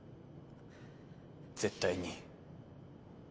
絶対に。